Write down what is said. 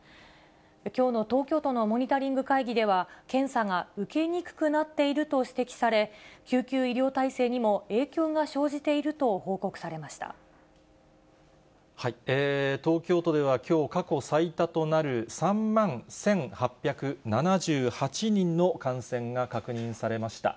きょうの東京都のモニタリング会議では、検査が受けにくくなっていると指摘され、救急医療体制にも影響が東京都ではきょう、過去最多となる３万１８７８人の感染が確認されました。